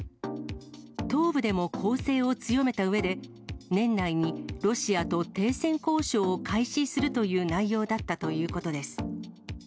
東部でも攻勢を強めたうえで、年内にロシアと停戦交渉を開始するという内容だったということです。